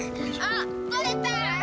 あっ取れた！